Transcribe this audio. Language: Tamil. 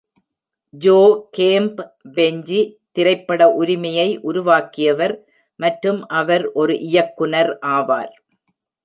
ஜோ கேம்ப் பெஞ்சி திரைப்பட உரிமையை உருவாக்கியவர் மற்றும் அவர் ஒரு இயக்குனர் ஆவார்.